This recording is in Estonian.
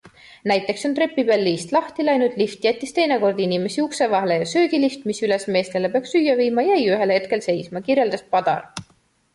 Näiteks on trepi peal liist lahti läinud, lift jättis teinekord inimesi ukse vahele ja söögilift, mis üles meestele peaks süüa viima, jäi ühel hetkel seisma, kirjeldas Padar.